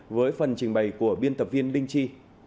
với phần trình bày của biên tập viên đinh tri